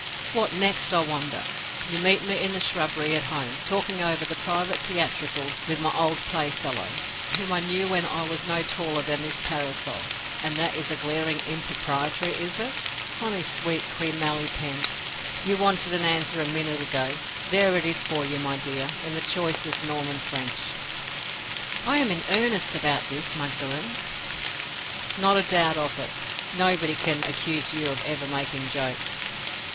"What next, I wonder? You meet me in the shrubbery at home, talking over the private theatricals with my old playfellow, whom I knew when I was no taller than this parasol. And that is a glaring impropriety, is it? 'Honi soit qui mal y pense.' You wanted an answer a minute ago—there it is for you, my dear, in the choicest Norman French." "I am in earnest about this, Magdalen—" "Not a doubt of it. Nobody can accuse you of ever making jokes."